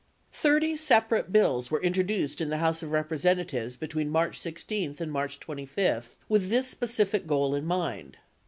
Thirty separate hills were introduced in the House of Representatives between March 16 and March 25 with this specific goal in mind.